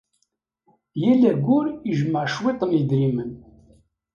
Yal ayyur, ijemmeɛ cwiṭ n yedrimen.